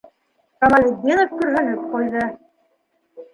- Камалетдинов көрһөнөп ҡуйҙы.